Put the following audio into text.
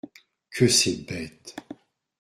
Que c’est bête !